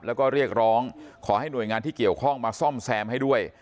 แล้วก็เรียกร้องขอให้หน่วยงานที่เกี่ยวข้องมาซ่อมแซมให้ด้วย